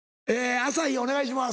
朝日お願いします。